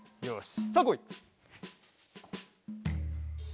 よし。